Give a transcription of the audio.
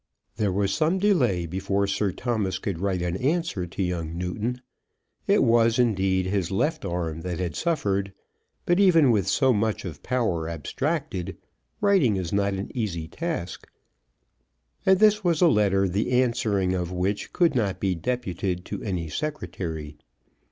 There was some delay before Sir Thomas could write an answer to young Newton. It was, indeed, his left arm that had suffered; but even with so much of power abstracted, writing is not an easy task. And this was a letter the answering of which could not be deputed to any secretary.